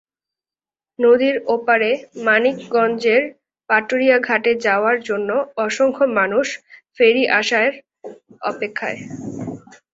নদীর ওপারে মানিকগঞ্জের পাটুরিয়া ঘাটে যাওয়ার জন্য অসংখ্য মানুষ ফেরি আসার অপেক্ষায়।